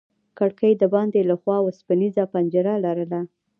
کړکۍ د باندې له خوا وسپنيزه پنجره لرله.